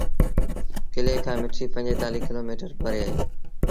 ڪلي کآݩ مٺيٚ پنجيتآليٚه ڪلو ميٚٽر پري اهي۔